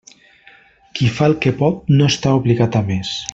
Qui fa el que pot no està obligat a més.